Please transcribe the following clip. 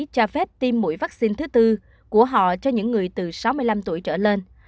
cho phép tiêm mũi vaccine thứ tư của họ cho những người từ sáu mươi năm tuổi trở lên